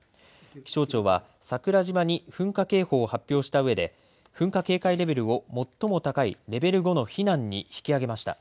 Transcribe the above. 気象庁は桜島に噴火警報を発表した上で噴火警戒レベルを最も高いレベル５の避難に引き上げました。